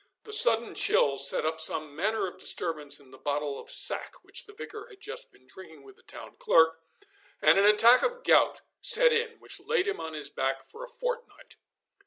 The sudden chill set up some manner of disturbance in the bottle of sack which the Vicar had just been drinking with the town clerk, and an attack of gout set in which laid him on his back for a fortnight.